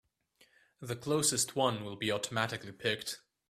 The closest one will be automatically picked.